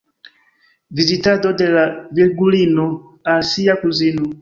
Vizitado de la Virgulino al sia kuzino.